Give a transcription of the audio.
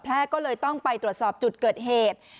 ก็เลยต้องไปตรวจสอบจุดเกิดเหตุ